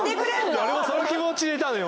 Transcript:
俺もその気持ちでいたのよ